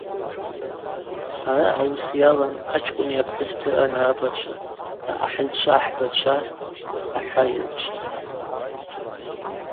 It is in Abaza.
Араъа ауыс йалан ачкӏвыни апхӏвыспи ран-рабачва, аъахӏыльчва ахӏбачва, ахӏвайыгӏвчва.